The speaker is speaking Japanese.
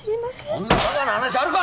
そんなバカな話あるか！